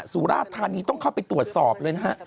สุราธานีต้องเข้าไปตรวจสอบเลยนะฮะ